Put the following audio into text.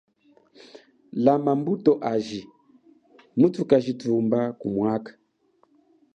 Lama mbuto aji muthukajithumba ku mwaka.